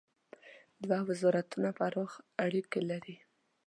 دوه وزارتونه پراخ اړیکي لري.